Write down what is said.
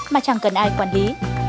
mà chẳng cần ai quản lý